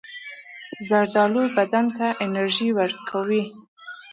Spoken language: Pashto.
زردالو بدن ته انرژي ورکوي.